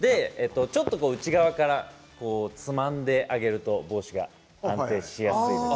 ちょっと内側からつまんであげると帽子が安定しやすいので。